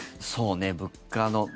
そうね、物価の。